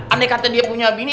andai kata dia punya bini